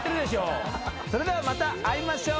それではまた会いましょう。さようなら！